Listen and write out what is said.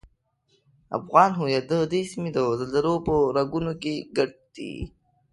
افغان هویت ددې سیمې د زلزلو په رګونو کې ګډ دی.